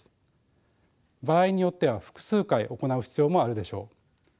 場合によっては複数回行う必要もあるでしょう。